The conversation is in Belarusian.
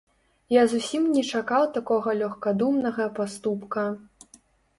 Я зусім не чакаў такога лёгкадумнага паступка.